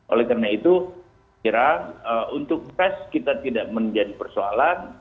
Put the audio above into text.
oleh karena itu kira untuk tes kita tidak menjadi persoalan